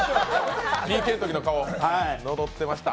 ＰＫのときの顔に戻ってました。